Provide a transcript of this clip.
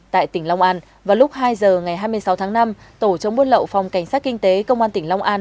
tại tỉnh long an vào lúc hai giờ ngày hai mươi sáu tháng năm tổ chống buôn lậu phòng cảnh sát kinh tế công an tỉnh long an